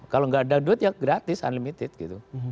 kalau nggak ada duit ya gratis unlimited gitu